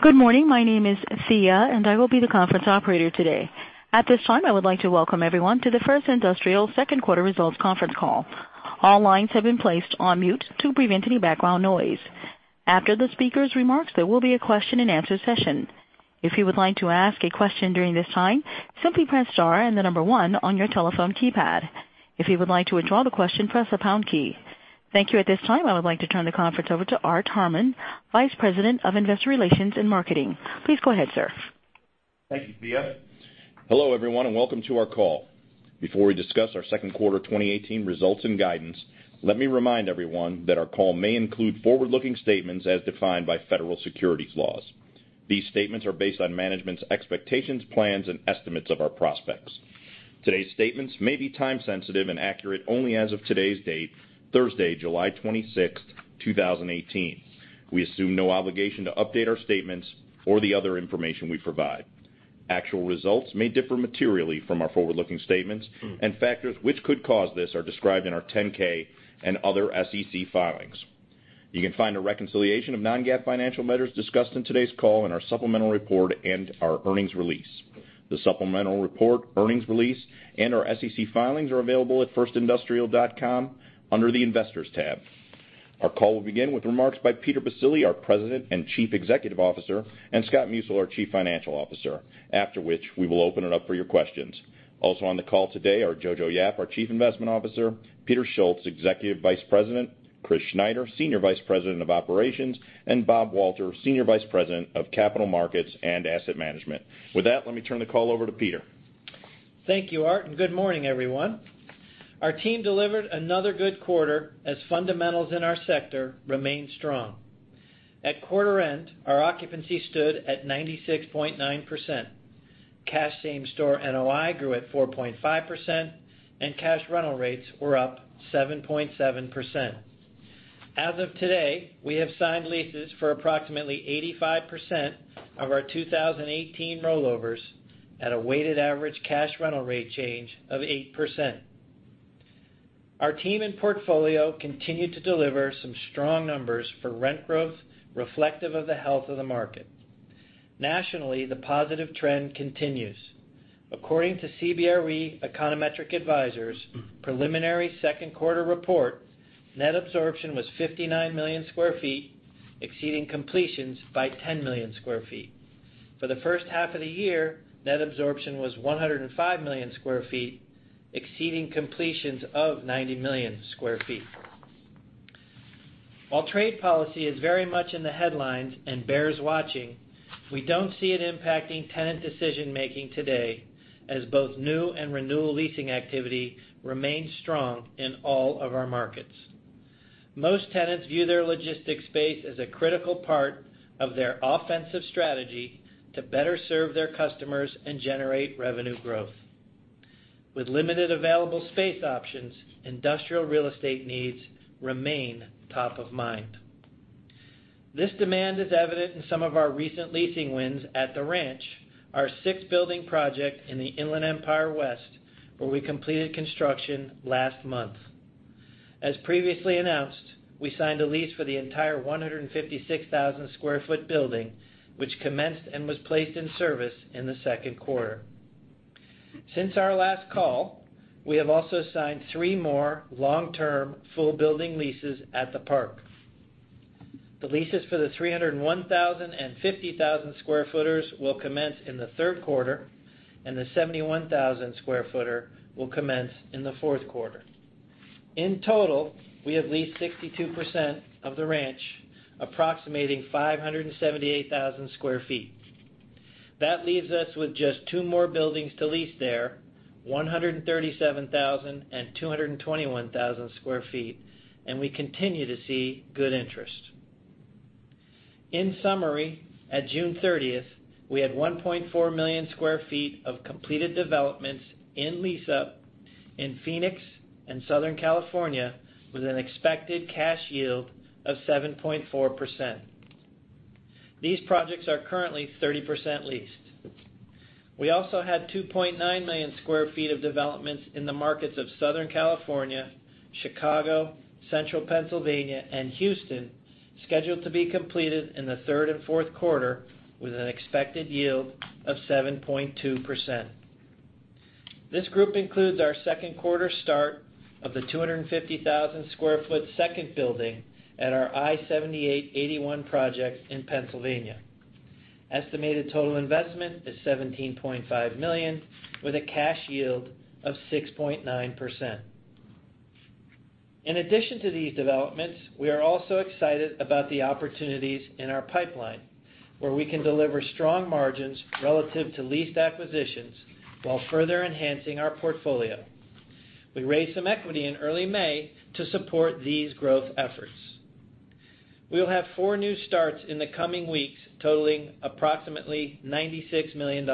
Good morning. My name is Sia, and I will be the conference operator today. At this time, I would like to welcome everyone to the First Industrial second quarter results conference call. All lines have been placed on mute to prevent any background noise. After the speaker's remarks, there will be a question-and-answer session. If you would like to ask a question during this time, simply press star and 1 on your telephone keypad. If you would like to withdraw the question, press the pound key. Thank you. At this time, I would like to turn the conference over to Art Harmon, Vice President of Investor Relations and Marketing. Please go ahead, sir. Thank you, Sia. Hello, everyone, welcome to our call. Before we discuss our second quarter 2018 results and guidance, let me remind everyone that our call may include forward-looking statements as defined by federal securities laws. These statements are based on management's expectations, plans, and estimates of our prospects. Today's statements may be time sensitive and accurate only as of today's date, Thursday, July 26th, 2018. We assume no obligation to update our statements or the other information we provide. Actual results may differ materially from our forward-looking statements. Factors which could cause this are described in our 10-K and other SEC filings. You can find a reconciliation of non-GAAP financial measures discussed in today's call in our supplemental report and our earnings release. The supplemental report, earnings release, and our SEC filings are available at firstindustrial.com under the Investors tab. Our call will begin with remarks by Peter Baccile, our President and Chief Executive Officer, and Scott Musil, our Chief Financial Officer, after which we will open it up for your questions. Also on the call today are Johannson Yap, our Chief Investment Officer, Peter Schultz, Executive Vice President, Christopher Schneider, Senior Vice President of Operations, and Robert Walter, Senior Vice President of Capital Markets and Asset Management. With that, let me turn the call over to Peter. Thank you, Art. Good morning, everyone. Our team delivered another good quarter as fundamentals in our sector remained strong. At quarter end, our occupancy stood at 96.9%. Cash same store NOI grew at 4.5%. Cash rental rates were up 7.7%. As of today, we have signed leases for approximately 85% of our 2018 rollovers at a weighted average cash rental rate change of 8%. Our team and portfolio continued to deliver some strong numbers for rent growth reflective of the health of the market. Nationally, the positive trend continues. According to CBRE Econometric Advisors' preliminary second quarter report, net absorption was 59 million sq ft, exceeding completions by 10 million sq ft. For the first half of the year, net absorption was 105 million sq ft, exceeding completions of 90 million sq ft. While trade policy is very much in the headlines and bears watching, we don't see it impacting tenant decision-making today, as both new and renewal leasing activity remains strong in all of our markets. Most tenants view their logistics space as a critical part of their offensive strategy to better serve their customers and generate revenue growth. With limited available space options, industrial real estate needs remain top of mind. This demand is evident in some of our recent leasing wins at The Ranch, our six-building project in the Inland Empire West, where we completed construction last month. As previously announced, we signed a lease for the entire 156,000 square foot building, which commenced and was placed in service in the second quarter. Since our last call, we have also signed three more long-term full building leases at The Park. The leases for the 301,000 and 50,000 square footers will commence in the third quarter, and the 71,000 square footer will commence in the fourth quarter. In total, we have leased 62% of The Ranch, approximating 578,000 square feet. That leaves us with just two more buildings to lease there, 137,000 and 221,000 square feet. We continue to see good interest. In summary, at June 30th, we had 1.4 million square feet of completed developments in lease-up in Phoenix and Southern California, with an expected cash yield of 7.4%. These projects are currently 30% leased. We also had 2.9 million square feet of developments in the markets of Southern California, Chicago, Central Pennsylvania, and Houston scheduled to be completed in the third and fourth quarter, with an expected yield of 7.2%. This group includes our second quarter start of the 250,000 square foot second building at our I-78/81 project in Pennsylvania. Estimated total investment is $17.5 million, with a cash yield of 6.9%. In addition to these developments, we are also excited about the opportunities in our pipeline, where we can deliver strong margins relative to leased acquisitions while further enhancing our portfolio. We raised some equity in early May to support these growth efforts. We will have four new starts in the coming weeks, totaling approximately $96 million.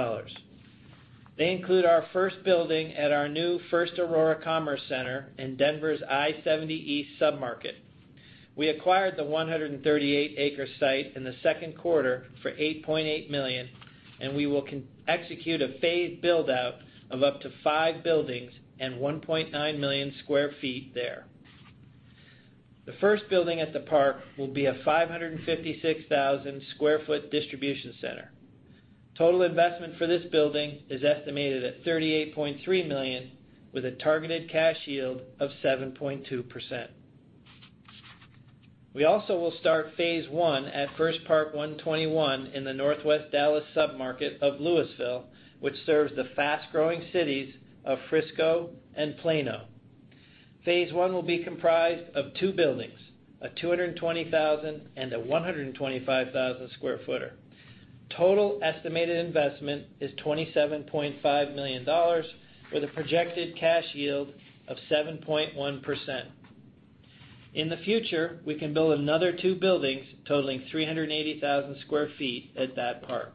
They include our first building at our new First Aurora Commerce Center in Denver's I-70 East submarket. We acquired the 138-acre site in the second quarter for $8.8 million. We will execute a phased build-out of up to five buildings and 1.9 million square feet there. The first building at the park will be a 556,000 square foot distribution center. Total investment for this building is estimated at $38.3 million, with a targeted cash yield of 7.2%. We also will start phase 1 at First Park 121 in the Northwest Dallas sub-market of Lewisville, which serves the fast-growing cities of Frisco and Plano. Phase 1 will be comprised of two buildings, a 220,000 and a 125,000 square footer. Total estimated investment is $27.5 million, with a projected cash yield of 7.1%. In the future, we can build another two buildings totaling 380,000 square feet at that park.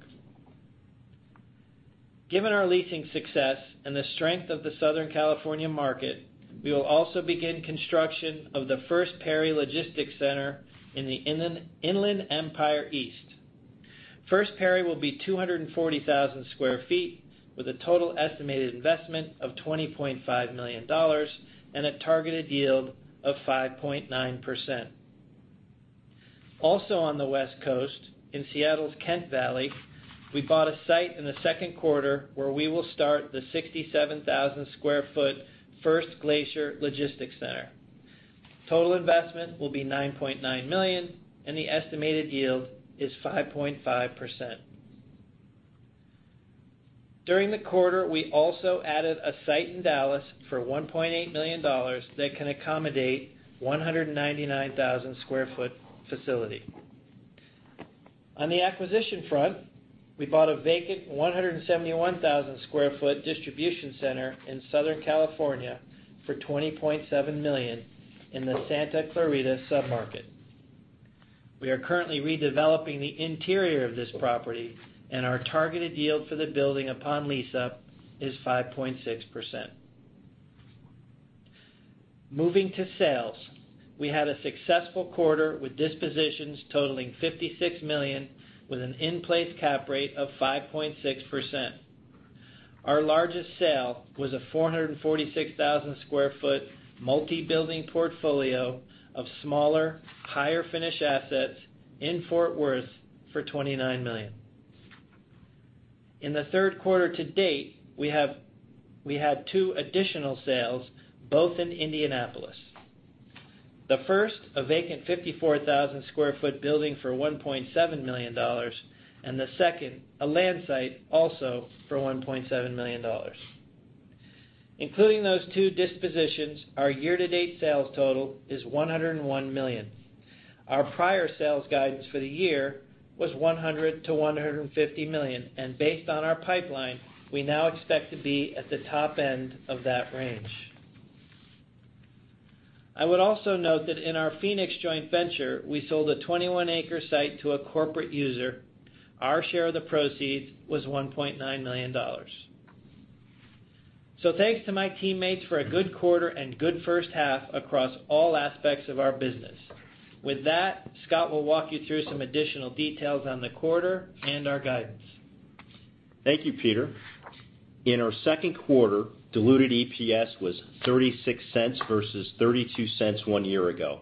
Given our leasing success and the strength of the Southern California market, we will also begin construction of the First Perry Logistics Center in the Inland Empire East. First Perry will be 240,000 square feet, with a total estimated investment of $20.5 million and a targeted yield of 5.9%. Also on the West Coast, in Seattle's Kent Valley, we bought a site in the second quarter where we will start the 67,000 square foot First Glacier Logistics Center. Total investment will be $9.9 million, and the estimated yield is 5.5%. During the quarter, we also added a site in Dallas for $1.8 million that can accommodate 199,000 square foot facility. On the acquisition front, we bought a vacant 171,000 square foot distribution center in Southern California for $20.7 million in the Santa Clarita sub-market. We are currently redeveloping the interior of this property, and our targeted yield for the building upon lease-up is 5.6%. Moving to sales, we had a successful quarter with dispositions totaling $56 million, with an in-place cap rate of 5.6%. Our largest sale was a 446,000 square foot multi-building portfolio of smaller, higher-finish assets in Fort Worth for $29 million. In the third quarter to date, we had two additional sales, both in Indianapolis. The first, a vacant 54,000 square foot building for $1.7 million, and the second, a land site, also for $1.7 million. Including those two dispositions, our year-to-date sales total is $101 million. Our prior sales guidance for the year was $100 million-$150 million, and based on our pipeline, we now expect to be at the top end of that range. I would also note that in our Phoenix joint venture, we sold a 21-acre site to a corporate user. Our share of the proceeds was $1.9 million. Thanks to my teammates for a good quarter and good first half across all aspects of our business. With that, Scott will walk you through some additional details on the quarter and our guidance. Thank you, Peter. In our second quarter, diluted EPS was $0.36 versus $0.32 one year ago.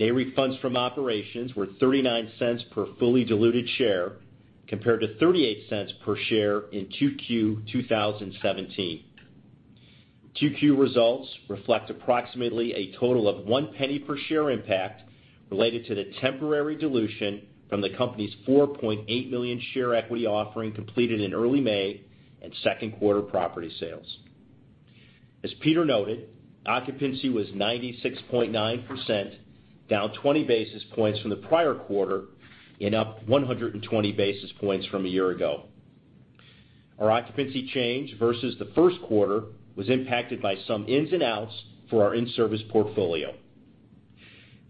AFFO from operations were $0.39 per fully diluted share compared to $0.38 per share in 2Q 2017. 2Q results reflect approximately a total of $0.01 per share impact related to the temporary dilution from the company's 4.8 million share equity offering completed in early May and second quarter property sales. As Peter noted, occupancy was 96.9%, down 20 basis points from the prior quarter and up 120 basis points from a year ago. Our occupancy change versus the first quarter was impacted by some ins and outs for our in-service portfolio.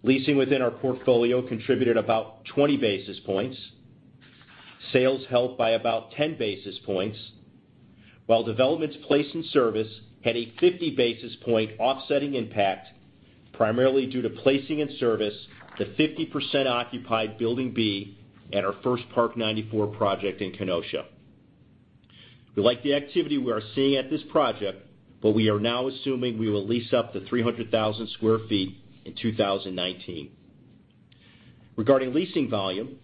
Leasing within our portfolio contributed about 20 basis points. Sales helped by about 10 basis points. Developments placed in service had a 50 basis point offsetting impact, primarily due to placing in service the 50% occupied Building B at our First Park 94 project in Kenosha. We like the activity we are seeing at this project, but we are now assuming we will lease up to 300,000 square feet in 2019. Regarding leasing volume,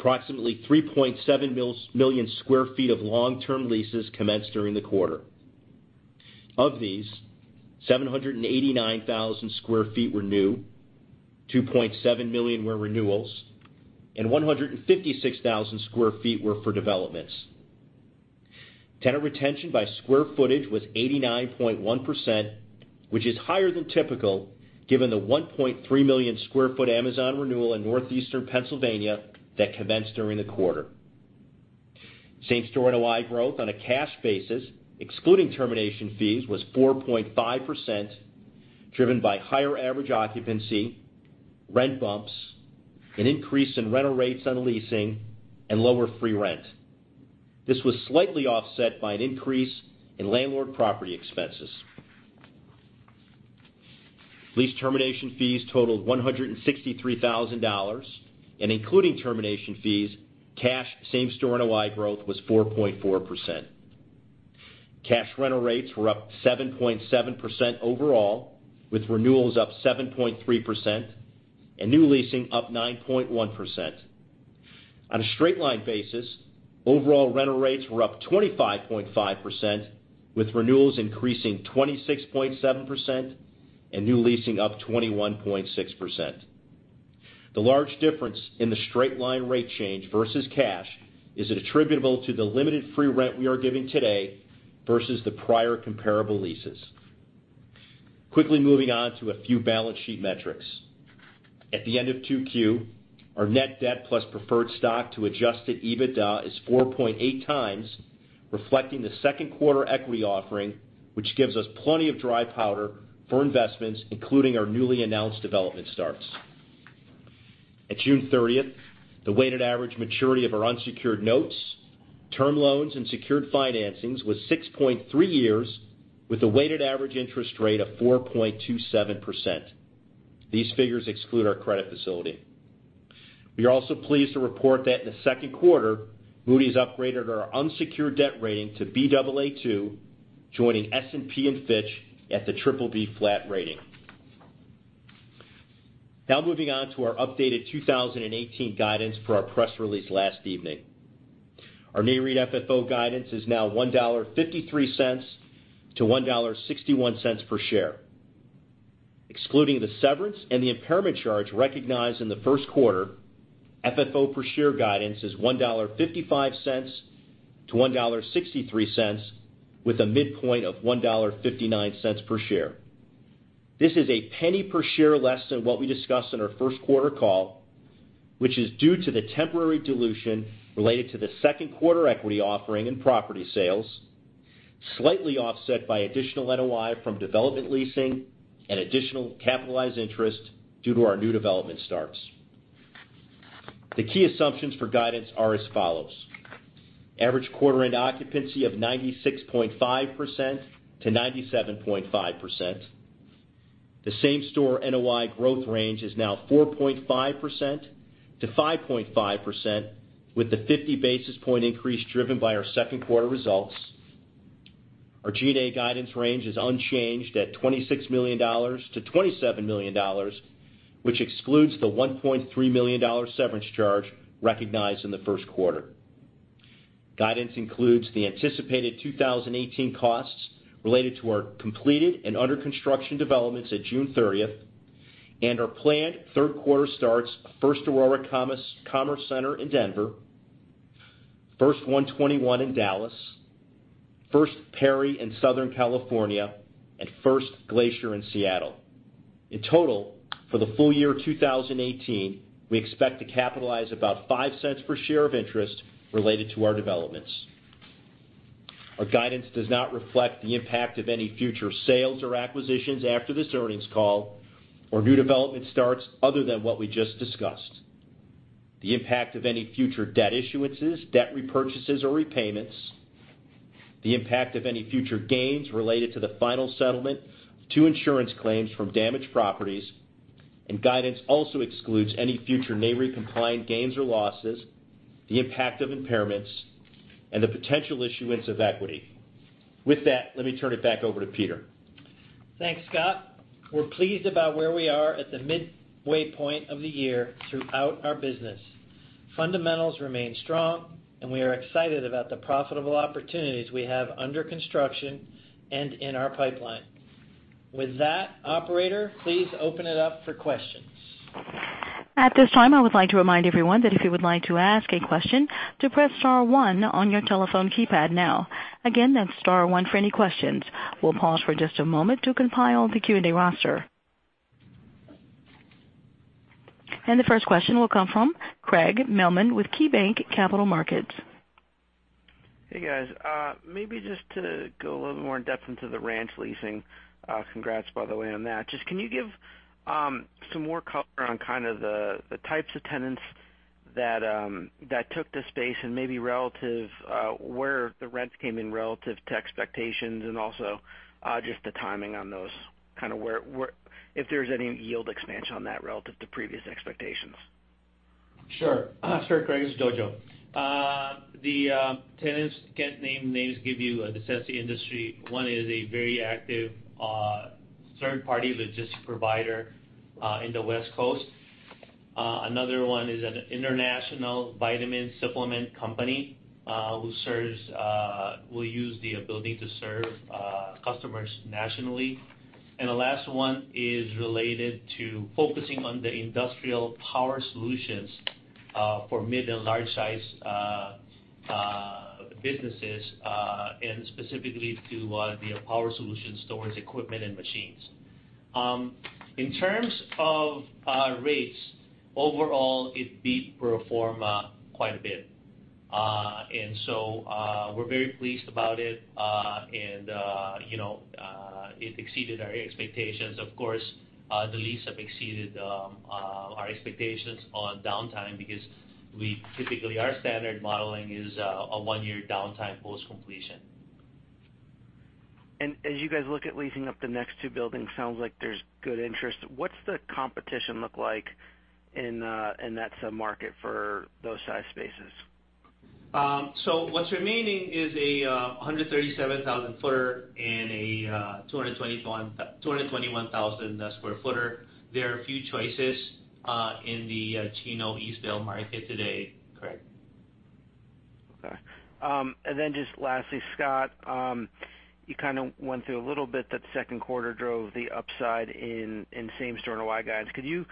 approximately 3.7 million square feet of long-term leases commenced during the quarter. Of these, 789,000 square feet were new, 2.7 million were renewals, and 156,000 square feet were for developments. Tenant retention by square footage was 89.1%, which is higher than typical given the 1.3 million square foot Amazon renewal in northeastern Pennsylvania that commenced during the quarter. Same store NOI growth on a cash basis, excluding termination fees was 4.5%, driven by higher average occupancy, rent bumps, an increase in rental rates on leasing, and lower free rent. This was slightly offset by an increase in landlord property expenses. Lease termination fees totaled $163,000, and including termination fees, cash same-store NOI growth was 4.4%. Cash rental rates were up 7.7% overall, with renewals up 7.3% and new leasing up 9.1%. On a straight-line basis, overall rental rates were up 25.5%, with renewals increasing 26.7% and new leasing up 21.6%. The large difference in the straight-line rate change versus cash is attributable to the limited free rent we are giving today versus the prior comparable leases. Quickly moving on to a few balance sheet metrics. At the end of 2Q, our net debt plus preferred stock to adjusted EBITDA is 4.8 times, reflecting the second quarter equity offering, which gives us plenty of dry powder for investments, including our newly announced development starts. At June 30th, the weighted average maturity of our unsecured notes, term loans, and secured financings was 6.3 years, with a weighted average interest rate of 4.27%. These figures exclude our credit facility. We are also pleased to report that in the second quarter, Moody's upgraded our unsecured debt rating to Baa2, joining S&P and Fitch at the BBB flat rating. Moving on to our updated 2018 guidance for our press release last evening. Our Nareit FFO guidance is now $1.53-$1.61 per share. Excluding the severance and the impairment charge recognized in the first quarter, FFO per share guidance is $1.55-$1.63, with a midpoint of $1.59 per share. This is $0.01 per share less than what we discussed in our first-quarter call, which is due to the temporary dilution related to the second-quarter equity offering and property sales, slightly offset by additional NOI from development leasing and additional capitalized interest due to our new development starts. The key assumptions for guidance are as follows. Average quarter-end occupancy of 96.5%-97.5%. The same-store NOI growth range is now 4.5%-5.5%, with the 50 basis point increase driven by our second-quarter results. Our G&A guidance range is unchanged at $26 million-$27 million, which excludes the $1.3 million severance charge recognized in the first quarter. Guidance includes the anticipated 2018 costs related to our completed and under-construction developments at June 30th, and our planned third-quarter starts, First Aurora Commerce Center in Denver, First 121 in Dallas, First Perry in Southern California, and First Glacier in Seattle. In total, for the full year 2018, we expect to capitalize about $0.05 per share of interest related to our developments. Our guidance does not reflect the impact of any future sales or acquisitions after this earnings call or new development starts other than what we just discussed. The impact of any future debt issuances, debt repurchases, or repayments, the impact of any future gains related to the final settlement of two insurance claims from damaged properties. Guidance also excludes any future Nareit-compliant gains or losses, the impact of impairments, and the potential issuance of equity. With that, let me turn it back over to Peter. Thanks, Scott. We're pleased about where we are at the midway point of the year throughout our business. Fundamentals remain strong, and we are excited about the profitable opportunities we have under construction and in our pipeline. With that, operator, please open it up for questions. At this time, I would like to remind everyone that if you would like to ask a question, to press star one on your telephone keypad now. Again, that's star one for any questions. We'll pause for just a moment to compile the Q&A roster. The first question will come from Craig Mailman with KeyBanc Capital Markets. Hey, guys. Maybe just to go a little more in-depth into The Ranch leasing. Congrats, by the way, on that. Just can you give some more color on kind of the types of tenants that took the space and maybe where the rents came in relative to expectations, and also just the timing on those, kind of if there's any yield expansion on that relative to previous expectations? Sure. Craig, this is Jojo. The tenants, can't name names, give you the sense of the industry. One is a very active third-party logistics provider in the West Coast. Another one is an international vitamin supplement company who will use the ability to serve customers nationally. The last one is related to focusing on the industrial power solutions for mid and large-size businesses, and specifically to the power solution storage equipment and machines. In terms of rates, overall, it beat pro forma quite a bit. We're very pleased about it. It exceeded our expectations. Of course, the lease have exceeded our expectations on downtime because typically, our standard modeling is a one-year downtime post-completion. As you guys look at leasing up the next two buildings, sounds like there's good interest. What's the competition look like in that sub-market for those size spaces? What's remaining is a 137,000 footer and a 221,000 square footer. There are few choices in the Chino, Eastvale market today, Craig. Okay. Just lastly, Scott, you kind of went through a little bit that second quarter drove the upside in same-store NOI guidance. Could you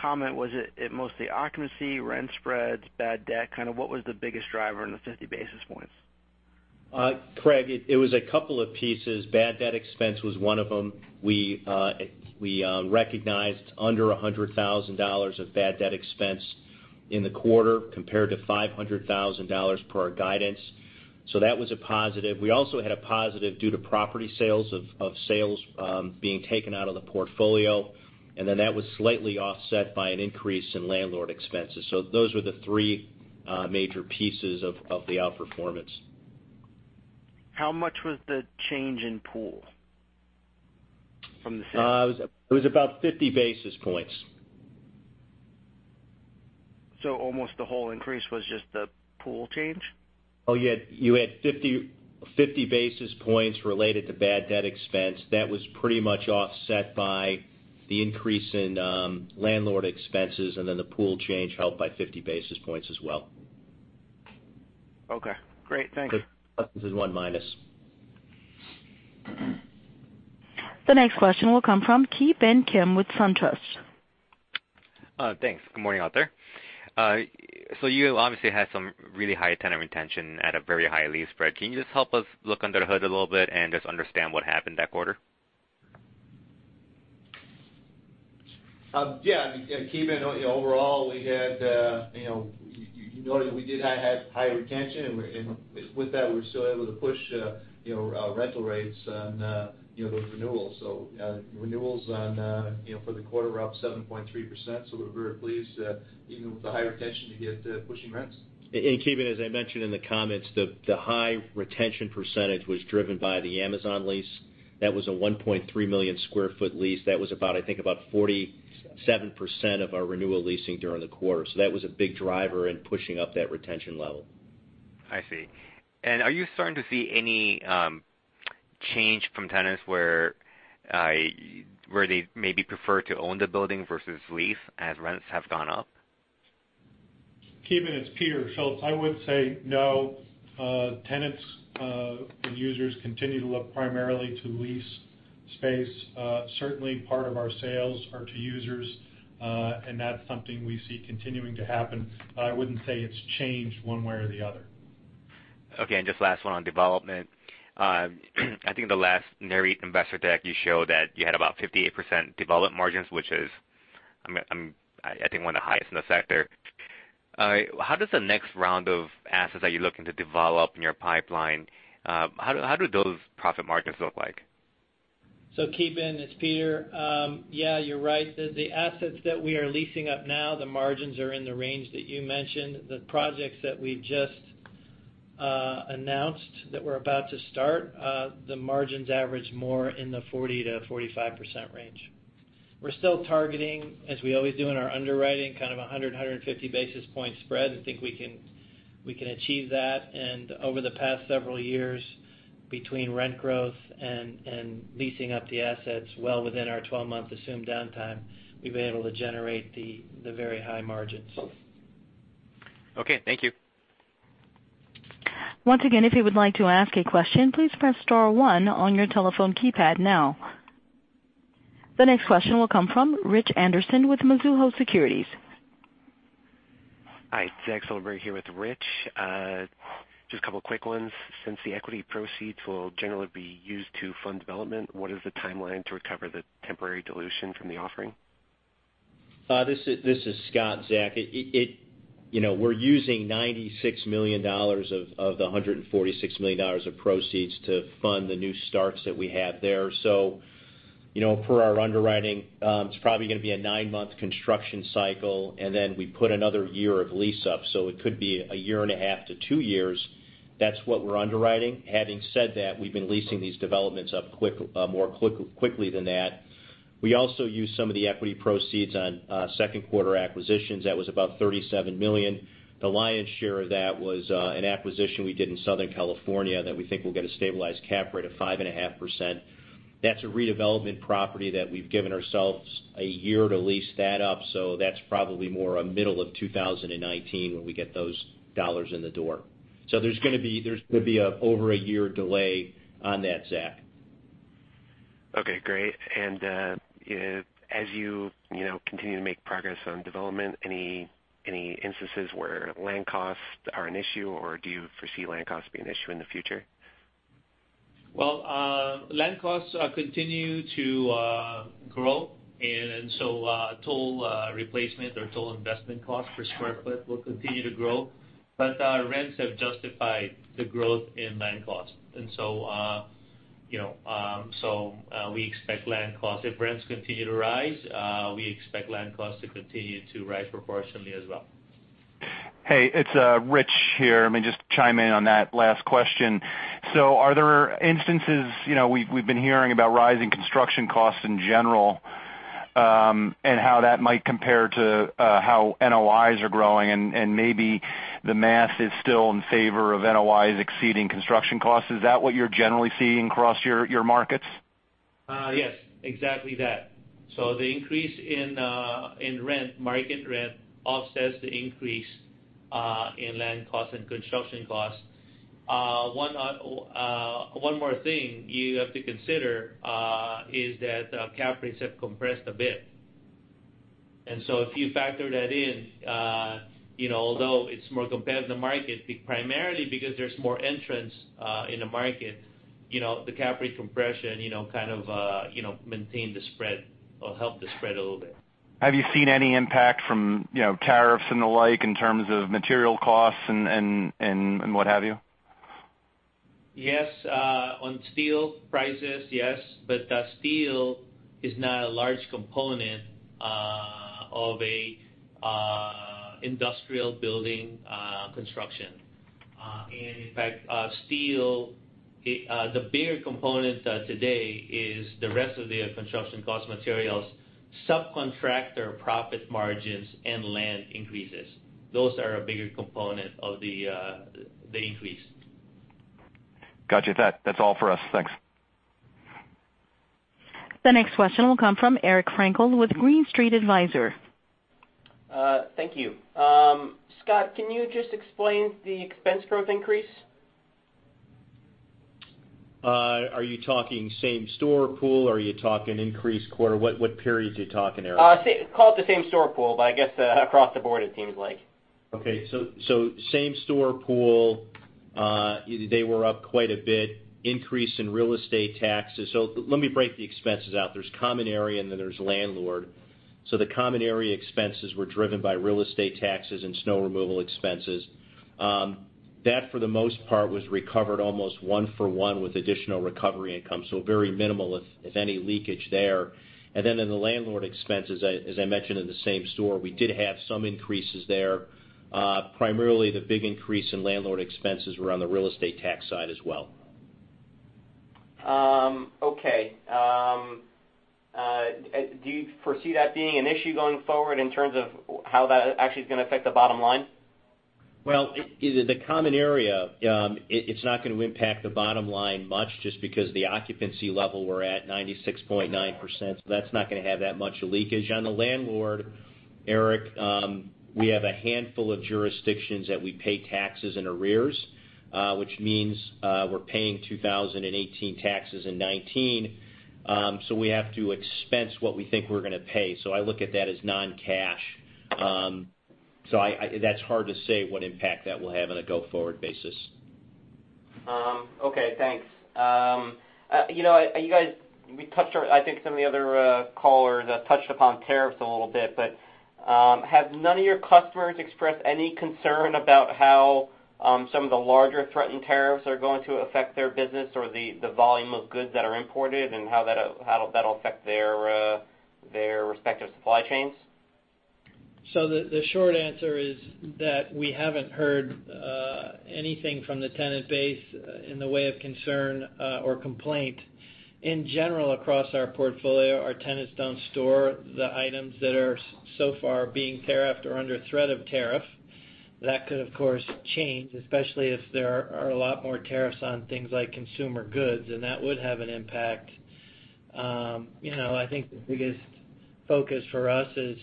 comment, was it mostly occupancy, rent spreads, bad debt, kind of what was the biggest driver in the 50 basis points? Craig, it was a couple of pieces. Bad debt expense was one of them. We recognized under $100,000 of bad debt expense in the quarter compared to $500,000 per our guidance. That was a positive. We also had a positive due to property sales of sales being taken out of the portfolio, that was slightly offset by an increase in landlord expenses. Those were the three major pieces of the outperformance. How much was the change in pool from the sale? It was about 50 basis points. Almost the whole increase was just the pool change? Oh, you had 50 basis points related to bad debt expense. That was pretty much offset by the increase in landlord expenses. The pool change helped by 50 basis points as well. Okay, great. Thanks. Plus this one minus. The next question will come from Ki Bin Kim with SunTrust. Thanks. Good morning out there. You obviously had some really high tenant retention at a very high lease spread. Can you just help us look under the hood a little bit and just understand what happened that quarter? Ki Bin, overall, you notice we did have high retention, with that, we were still able to push our rental rates on those renewals. Renewals for the quarter were up 7.3%, we're very pleased even with the high retention to get pushing rents. Ki Bin, as I mentioned in the comments, the high retention percentage was driven by the Amazon lease. That was a 1.3-million-square-foot lease. That was I think about 47% of our renewal leasing during the quarter. That was a big driver in pushing up that retention level. I see. Are you starting to see any change from tenants where they maybe prefer to own the building versus lease as rents have gone up? Ki Bin, it's Peter Schultz. I would say no. Tenants and users continue to look primarily to lease space. Certainly part of our sales are to users, and that's something we see continuing to happen. I wouldn't say it's changed one way or the other. Just last one on development. I think in the last Nareit investor deck, you showed that you had about 58% development margins, which is, I think one of the highest in the sector. How does the next round of assets that you're looking to develop in your pipeline, how do those profit margins look like? Ki Bin, it's Peter. Yeah, you're right. The assets that we are leasing up now, the margins are in the range that you mentioned. The projects that we've just announced that we're about to start, the margins average more in the 40%-45% range. We're still targeting, as we always do in our underwriting, kind of 100, 150 basis point spread, and think we can achieve that. Over the past several years between rent growth and leasing up the assets well within our 12-month assumed downtime, we've been able to generate the very high margins. Okay, thank you. Once again, if you would like to ask a question, please press star one on your telephone keypad now. The next question will come from Rich Anderson with Mizuho Securities. Hi, Zach here with Rich. Just a couple quick ones. Since the equity proceeds will generally be used to fund development, what is the timeline to recover the temporary dilution from the offering? This is Scott, Zach. We're using $96 million of the $146 million of proceeds to fund the new starts that we have there. Per our underwriting, it's probably gonna be a nine-month construction cycle, and then we put another year of lease up. It could be a year and a half to two years. That's what we're underwriting. Having said that, we've been leasing these developments up more quickly than that. We also used some of the equity proceeds on second quarter acquisitions. That was about $37 million. The lion's share of that was an acquisition we did in Southern California that we think will get a stabilized cap rate of 5.5%. That's a redevelopment property that we've given ourselves a year to lease that up. That's probably more a middle of 2019 when we get those dollars in the door. There's gonna be over a year delay on that, Zach. Okay, great. As you continue to make progress on development, any instances where land costs are an issue, or do you foresee land costs being an issue in the future? Land costs continue to grow, toll replacement or toll investment cost per square foot will continue to grow. Our rents have justified the growth in land costs. If rents continue to rise, we expect land costs to continue to rise proportionally as well. Hey, it's Rich here. Let me just chime in on that last question. Are there instances, we've been hearing about rising construction costs in general, and how that might compare to how NOIs are growing, and maybe the math is still in favor of NOIs exceeding construction costs. Is that what you're generally seeing across your markets? Yes, exactly that. The increase in market rent offsets the increase in land cost and construction costs. One more thing you have to consider, is that cap rates have compressed a bit. If you factor that in, although it's more competitive market, primarily because there's more entrants in the market, the cap rate compression kind of maintain the spread or help the spread a little bit. Have you seen any impact from tariffs and the like in terms of material costs and what have you? Yes. On steel prices, yes. Steel is not a large component of an industrial building construction. In fact, the bigger component today is the rest of the construction cost materials, subcontractor profit margins, and land increases. Those are a bigger component of the increase. Got you. That's all for us. Thanks. The next question will come from Eric Frankel with Green Street Advisors. Thank you. Scott, can you just explain the expense growth increase? Are you talking same-store pool? Are you talking increased quarter? What period are you talking, Eric? Call it the same-store pool, I guess across the board, it seems like. Okay. Same-store pool, they were up quite a bit. Increase in real estate taxes. Let me break the expenses out. There's common area, there's landlord. The common area expenses were driven by real estate taxes and snow removal expenses. That, for the most part, was recovered almost one for one with additional recovery income, very minimal, if any, leakage there. In the landlord expenses, as I mentioned in the same store, we did have some increases there. Primarily the big increase in landlord expenses were on the real estate tax side as well. Okay. Do you foresee that being an issue going forward in terms of how that actually is going to affect the bottom line? Well, the common area, it's not going to impact the bottom line much just because the occupancy level we're at, 96.9%. That's not going to have that much leakage. On the landlord, Eric, we have a handful of jurisdictions that we pay taxes in arrears, which means we're paying 2018 taxes in 2019. We have to expense what we think we're going to pay. I look at that as non-cash. That's hard to say what impact that will have on a go-forward basis. Okay, thanks. You guys, I think some of the other callers touched upon tariffs a little bit. Have none of your customers expressed any concern about how some of the larger threatened tariffs are going to affect their business or the volume of goods that are imported and how that'll affect their respective supply chains? The short answer is that we haven't heard anything from the tenant base in the way of concern or complaint. In general, across our portfolio, our tenants don't store the items that are so far being tariffed or under threat of tariff. That could, of course, change, especially if there are a lot more tariffs on things like consumer goods, then that would have an impact. I think the biggest focus for us is,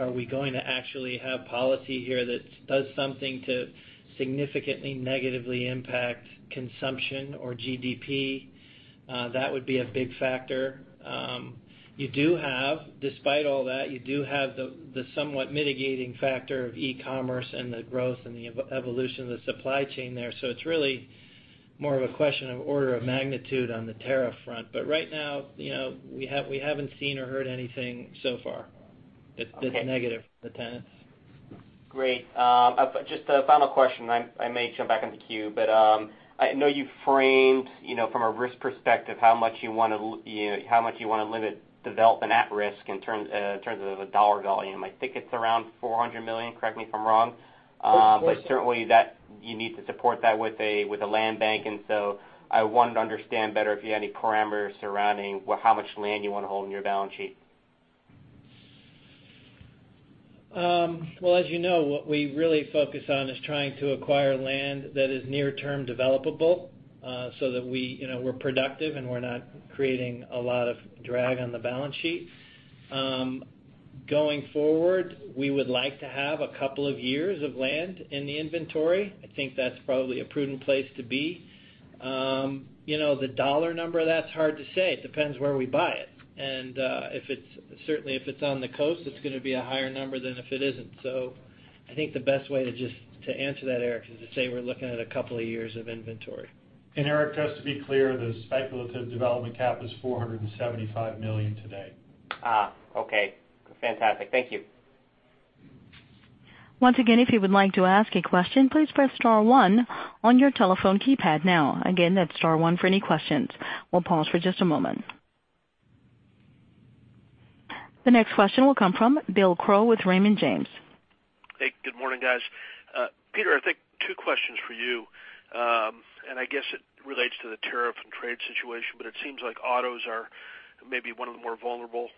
are we going to actually have policy here that does something to significantly negatively impact consumption or GDP? That would be a big factor. Despite all that, you do have the somewhat mitigating factor of e-commerce and the growth and the evolution of the supply chain there. It's really more of a question of order of magnitude on the tariff front. Right now, we haven't seen or heard anything so far that's negative for the tenants. Great. Just a final question, I may jump back in the queue. I know you framed from a risk perspective how much you want to limit development at risk in terms of a dollar volume. I think it's around $400 million, correct me if I'm wrong. Close. Certainly you need to support that with a land bank. I wanted to understand better if you had any parameters surrounding how much land you want to hold in your balance sheet. Well, as you know, what we really focus on is trying to acquire land that is near-term developable, so that we're productive and we're not creating a lot of drag on the balance sheet. Going forward, we would like to have a couple of years of land in the inventory. I think that's probably a prudent place to be. The dollar number, that's hard to say. It depends where we buy it. Certainly if it's on the coast, it's going to be a higher number than if it isn't. I think the best way to answer that, Eric, is to say we're looking at a couple of years of inventory. Eric, just to be clear, the speculative development cap is $475 million today. Okay. Fantastic. Thank you. Once again, if you would like to ask a question, please press star one on your telephone keypad now. Again, that's star one for any questions. We'll pause for just a moment. The next question will come from Bill Crow with Raymond James. Hey, good morning, guys. Peter, I think two questions for you. I guess it relates to the tariff and trade situation, but it seems like autos are maybe one of the more vulnerable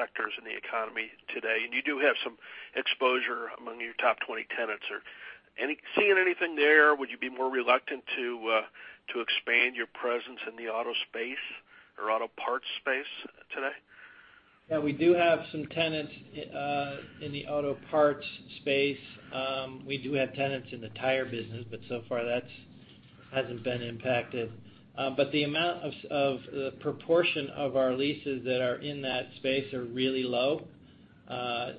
sectors in the economy today, and you do have some exposure among your top 20 tenants. Are you seeing anything there? Would you be more reluctant to expand your presence in the auto space or auto parts space today? Yeah, we do have some tenants in the auto parts space. We do have tenants in the tire business, but so far that's hasn't been impacted. The amount of the proportion of our leases that are in that space are really low,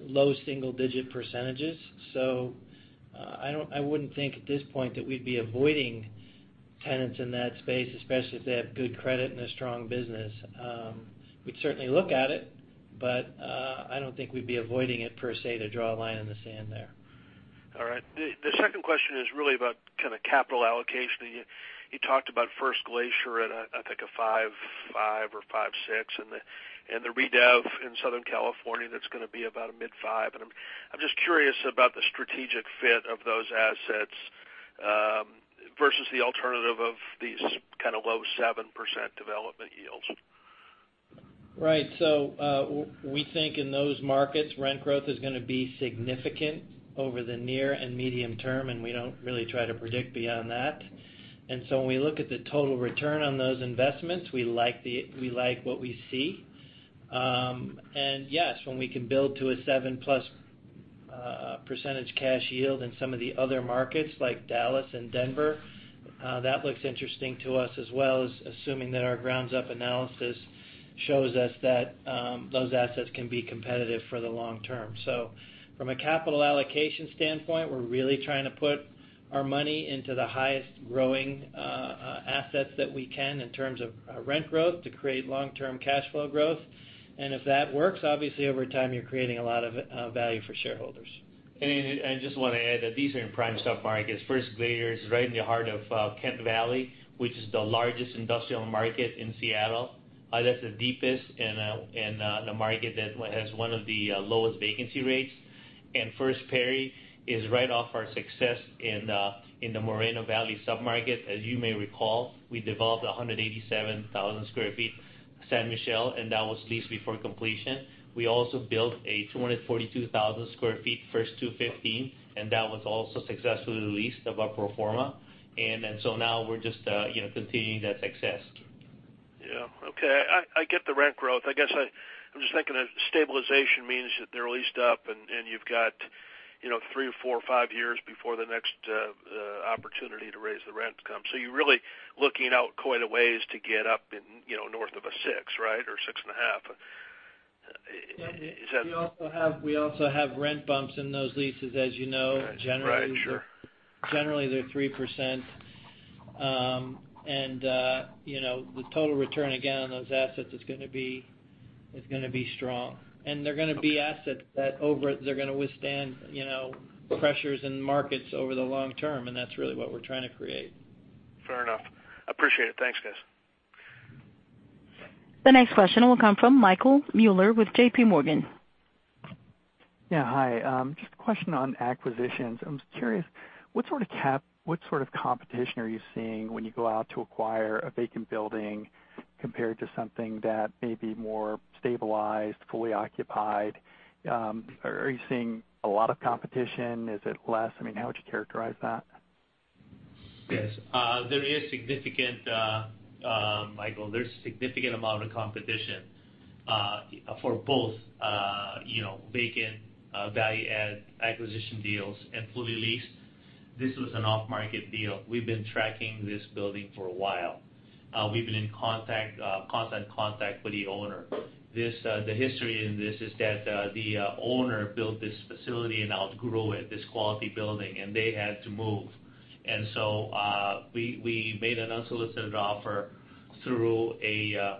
low single-digit %. I wouldn't think at this point that we'd be avoiding tenants in that space, especially if they have good credit and a strong business. We'd certainly look at it, but I don't think we'd be avoiding it per se to draw a line in the sand there. All right. The second question is really about kind of capital allocation. You talked about First Glacier at, I think, a 5.5 or 5.6 in the redev in Southern California, that's going to be about a mid-five. I'm just curious about the strategic fit of those assets, versus the alternative of these kind of low 7% development yields. Right. We think in those markets, rent growth is going to be significant over the near and medium term, and we don't really try to predict beyond that. When we look at the total return on those investments, we like what we see. Yes, when we can build to a 7-plus percent cash yield in some of the other markets like Dallas and Denver, that looks interesting to us as well as assuming that our grounds-up analysis shows us that those assets can be competitive for the long term. From a capital allocation standpoint, we're really trying to put our money into the highest-growing assets that we can in terms of rent growth to create long-term cash flow growth. If that works, obviously over time, you're creating a lot of value for shareholders. I just want to add that these are in prime submarkets. First Glacier is right in the heart of Kent Valley, which is the largest industrial market in Seattle. That's the deepest in the market that has one of the lowest vacancy rates. First Perry is right off our success in the Moreno Valley submarket. As you may recall, we developed 187,000 sq ft San Michelle, and that was leased before completion. We also built a 242,000 sq ft First 215, and that was also successfully leased above pro forma. Now we're just continuing that success. Yeah. Okay. I get the rent growth. I guess I'm just thinking that stabilization means that they're leased up and you've got three or four or five years before the next opportunity to raise the rent comes. You're really looking out quite a ways to get up north of a six, right? Or six and a half. We also have rent bumps in those leases, as you know. Right. Sure. Generally, they're 3%. The total return, again, on those assets is going to be strong. They're going to be assets that they're going to withstand pressures in markets over the long term, and that's really what we're trying to create. Fair enough. Appreciate it. Thanks, guys. The next question will come from Michael Mueller with J.P. Morgan. Yeah, hi. Just a question on acquisitions. I'm just curious, what sort of competition are you seeing when you go out to acquire a vacant building compared to something that may be more stabilized, fully occupied? Are you seeing a lot of competition? Is it less? How would you characterize that? Yes. There is significant, Michael, there's a significant amount of competition, for both vacant value-add acquisition deals and fully leased. This was an off-market deal. We've been tracking this building for a while. We've been in constant contact with the owner. The history in this is that the owner built this facility and outgrew it, this quality building, and they had to move. So we made an unsolicited offer through a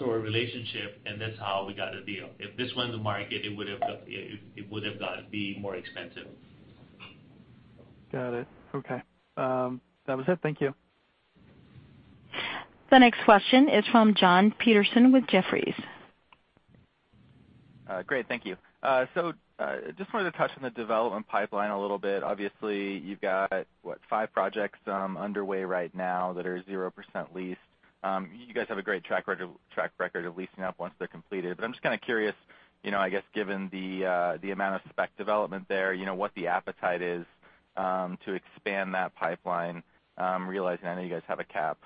relationship, and that's how we got a deal. If this went to market, it would've gotten be more expensive. Got it. Okay. That was it. Thank you. The next question is from John Peterson with Jefferies. Great. Thank you. Just wanted to touch on the development pipeline a little bit. Obviously, you've got, what, five projects underway right now that are 0% leased. You guys have a great track record of leasing up once they're completed, I'm just kind of curious, I guess given the amount of spec development there, what the appetite is to expand that pipeline, realizing I know you guys have a cap.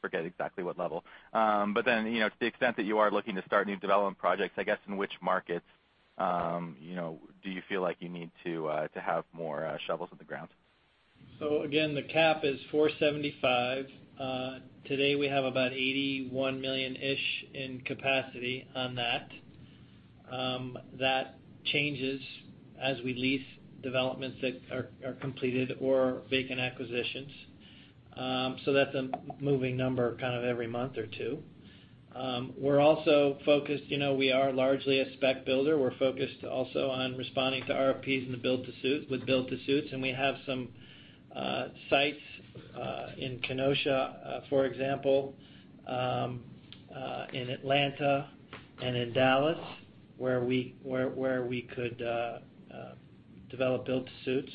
Forget exactly what level. To the extent that you are looking to start new development projects, I guess in which markets do you feel like you need to have more shovels in the ground? Again, the cap is $475. Today we have about $81 million-ish in capacity on that. That changes as we lease developments that are completed or vacant acquisitions. That's a moving number kind of every month or two. We're also focused, we are largely a spec builder. We're focused also on responding to RFPs with build to suits, and we have some sites in Kenosha, for example- In Atlanta and in Dallas, where we could develop build to suits.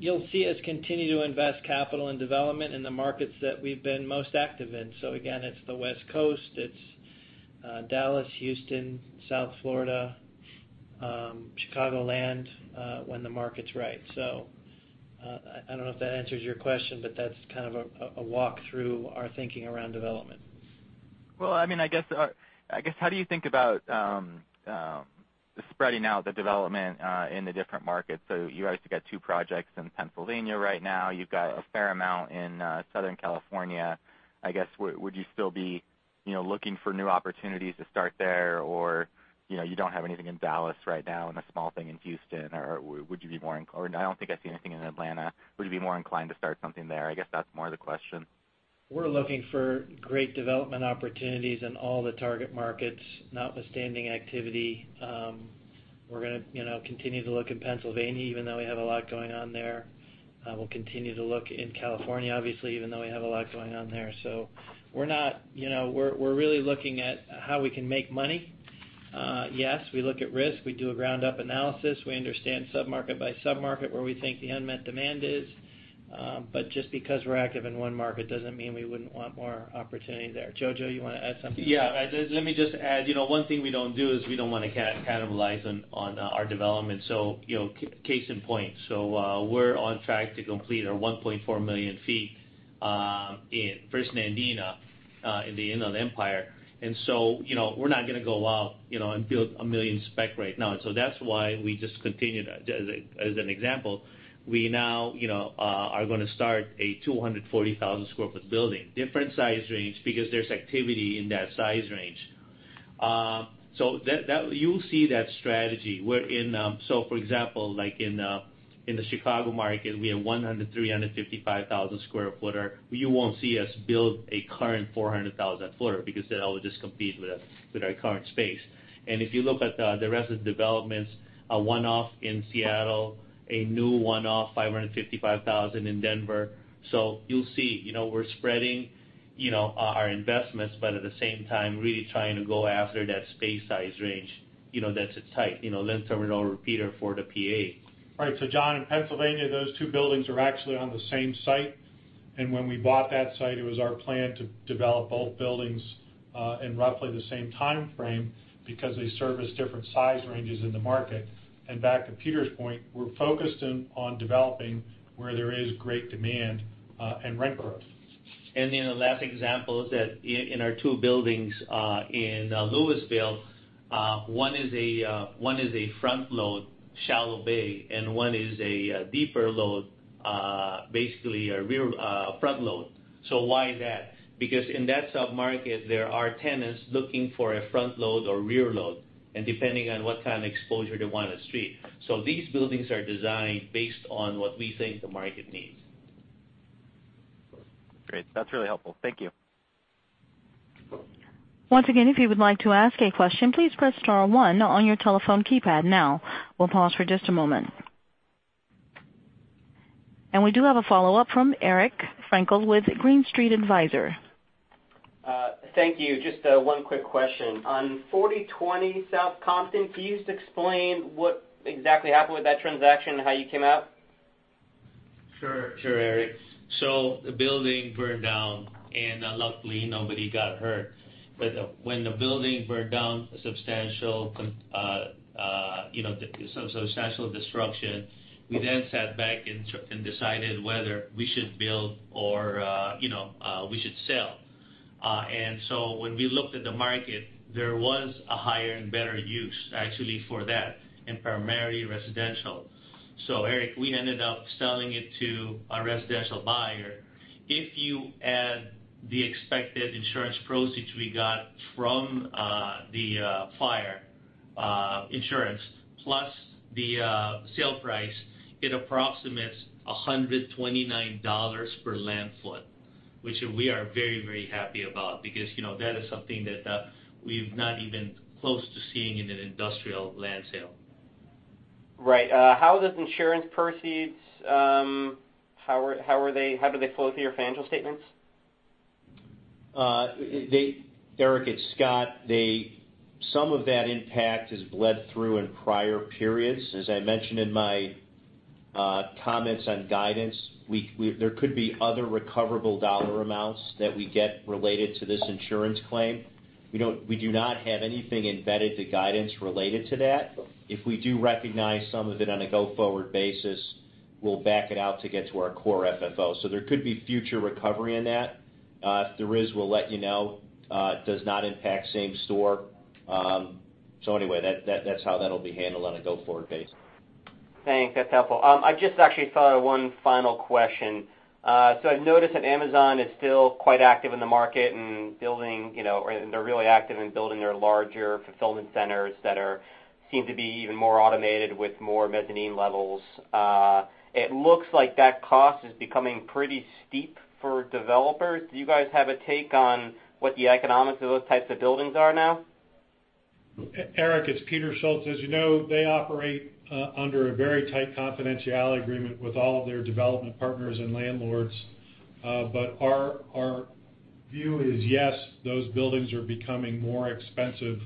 You'll see us continue to invest capital in development in the markets that we've been most active in. Again, it's the West Coast, it's Dallas, Houston, South Florida, Chicagoland, when the market's right. I don't know if that answers your question, but that's kind of a walk through our thinking around development. Well, I guess, how do you think about spreading out the development in the different markets? You guys have got two projects in Pennsylvania right now. You've got a fair amount in Southern California. I guess, would you still be looking for new opportunities to start there? You don't have anything in Dallas right now, and a small thing in Houston, or would you be more-- I don't think I see anything in Atlanta. Would you be more inclined to start something there? I guess that's more the question. Yeah. Let me just add, one thing we don't do is we don't want to cannibalize on our development. Case in point, so we're on Just because we're active in one market doesn't mean we wouldn't want more opportunity there. Jojo, you want to add something? You'll see, we're spreading our investments, but at the same time really trying to go after that space size range. That's a tight, [land-and-building repeater] for the PA. John, in Pennsylvania, those two buildings are actually on the same site. When we bought that site, it was our plan to develop both buildings in roughly the same timeframe because they service different size ranges in the market. Back to Peter's point, we're focused in on developing where there is great demand and rent growth. The last example is that in our two buildings in Lewisville, one is a front-load shallow bay, and one is a deeper load, basically a front-load. Why that? In that sub-market, there are tenants looking for a front load or rear load, depending on what kind of exposure they want on the street. These buildings are designed based on what we think the market needs. Great. That's really helpful. Thank you. Once again, if you would like to ask a question, please press star one on your telephone keypad now. We'll pause for just a moment. We do have a follow-up from Eric Frankel with Green Street Advisors. Thank you. Just one quick question. On 4020 South Compton, can you just explain what exactly happened with that transaction and how you came out? Sure, Eric. The building burned down, and luckily, nobody got hurt. When the building burned down, substantial destruction. We sat back and decided whether we should build or we should sell. When we looked at the market, there was a higher and better use, actually, for that in primarily residential. Eric, we ended up selling it to a residential buyer. If you add the expected insurance proceeds we got from the fire insurance plus the sale price, it approximates $129 per land foot, which we are very happy about because that is something that we're not even close to seeing in an industrial land sale. Right. How do they flow through your financial statements? Eric, it's Scott. Some of that impact has bled through in prior periods. As I mentioned in my comments on guidance, there could be other recoverable dollar amounts that we get related to this insurance claim. We do not have anything embedded to guidance related to that. If we do recognize some of it on a go-forward basis, we'll back it out to get to our core FFO. There could be future recovery in that. If there is, we'll let you know. It does not impact same store. That's how that'll be handled on a go-forward basis. Thanks. That's helpful. I just actually thought of one final question. I've noticed that Amazon is still quite active in the market, and they're really active in building their larger fulfillment centers that seem to be even more automated with more mezzanine levels. It looks like that cost is becoming pretty steep for developers. Do you guys have a take on what the economics of those types of buildings are now? Eric, it's Peter Schultz. As you know, they operate under a very tight confidentiality agreement with all of their development partners and landlords. Our view is, yes, those buildings are becoming more expensive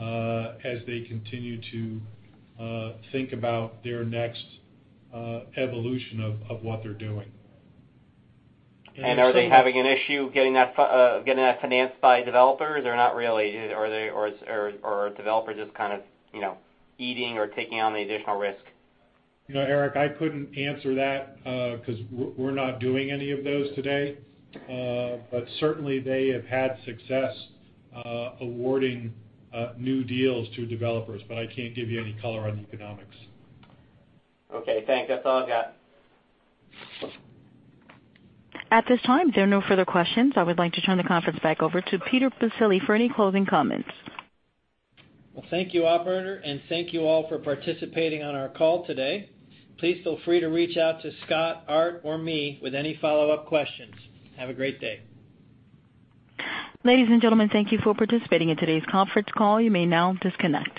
as they continue to think about their next evolution of what they're doing. Are they having an issue getting that financed by developers or not really? Are developers just kind of eating or taking on the additional risk? No, Eric, I couldn't answer that because we're not doing any of those today. Certainly, they have had success awarding new deals to developers, but I can't give you any color on economics. Okay, thanks. That's all I've got. At this time, there are no further questions. I would like to turn the conference back over to Peter Baccile for any closing comments. Well, thank you, operator, and thank you all for participating on our call today. Please feel free to reach out to Scott, Art, or me with any follow-up questions. Have a great day. Ladies and gentlemen, thank you for participating in today's conference call. You may now disconnect.